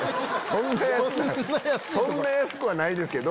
そんな安くはないですけど。